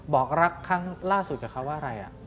บอกรักครั้งล่าสุดกับเขาว่าอะไร